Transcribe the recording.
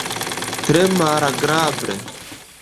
Tre malagrable.